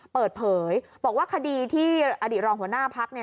เปิดเผยบอกว่าคดีที่อดีตรองหัวหน้าพักเนี่ย